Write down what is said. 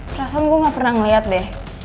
perasaan gue gak pernah ngeliat deh